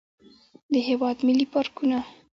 د هېواد ملي پارکونه.